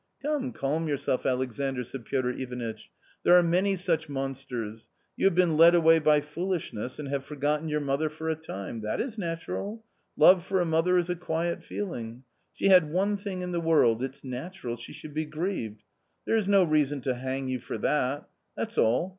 "Come, calm yourself, Alexandr!" said Piotr Ivanitch; " there are many such monsters. You have been led away by foolishness and have forgotten your mother for a time — that is natural ; love for a mother is a quiet feeling. She had one thing in the world — it's natural she should be grieved. There is no reason to hang you for that That's all.